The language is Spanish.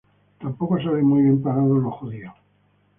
Tampoco salen muy bien parados los judíos.